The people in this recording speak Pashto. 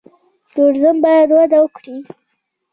توریزم باید وده وکړي